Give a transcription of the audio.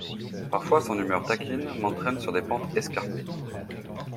Parfois son humeur taquine m’entraîne sur des pentes escarpées.